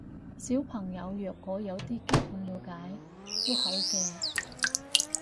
小朋友若果有啲基本了解都好嘅